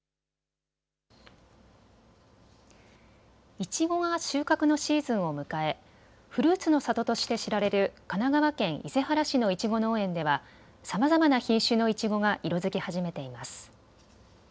いちごが収穫のシーズンを迎えフルーツの里として知られる神奈川県伊勢原市のいちご農園では、さまざまな品種のいちごが色づき始めています。